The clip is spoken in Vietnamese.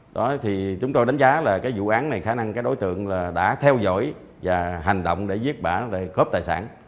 đó thì chúng tôi đánh giá là cái vụ án này khả năng cái đối tượng là đã theo dõi và hành động để giết bà để cướp tài sản